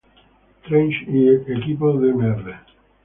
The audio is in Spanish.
Trench" y "Equipo de Mr.